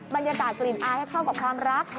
บรรยากาศกลิ่นอายให้เข้ากับความรัก